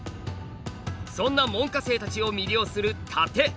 そんな門下生たちを魅了する殺陣。